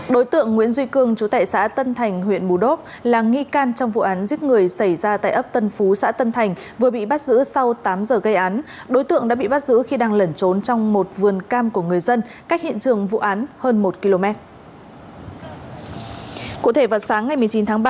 đối tượng nguyễn duy cương chú tệ xã tân thành huyện mù đốp là nghi can trong vụ án giết người xảy ra tại ấp tân phú xã tân thành vừa bị bắt giữ sau tám giờ gây án